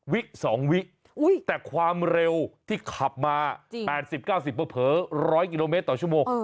วิ๒วิแต่ความเร็วที่ขับมา๘๐๙๐เผลอ๑๐๐กิโลเมตรต่อชั่วโมง